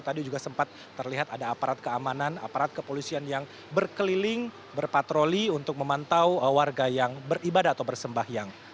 tadi juga sempat terlihat ada aparat keamanan aparat kepolisian yang berkeliling berpatroli untuk memantau warga yang beribadah atau bersembahyang